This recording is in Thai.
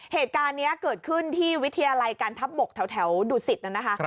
เหตุการณ์นี้เกิดขึ้นที่วิทยาลัยการทับบกแถวดูสิตนะคะ